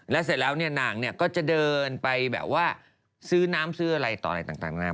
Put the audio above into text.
แล้วเสร็จแล้วนางก็จะเดินไปซื้อน้ำซื้ออะไรต่อชีวิตอะไรต่างนาง